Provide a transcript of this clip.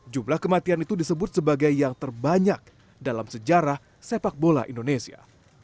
jumlah kematian itu disebut sebagai yang terbanyak dalam sejarah sepak bola indonesia